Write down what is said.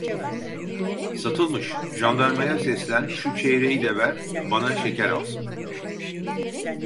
Satılmış, jandarmaya seslen, şu çeyreği de ver, bana şeker alsın!